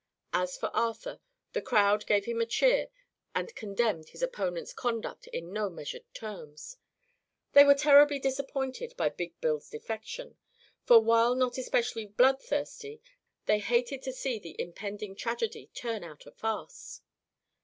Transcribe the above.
As for Arthur, the crowd gave him a cheer and condemned his opponent's conduct in no measured terms. They were terribly disappointed by Big Bill's defection, for while not especially bloodthirsty they hated to see the impending tragedy turn out a farce.